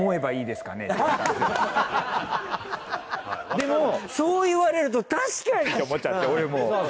でもそう言われると確かにって思っちゃって俺も。